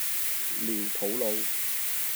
寮肚路